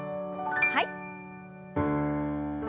はい。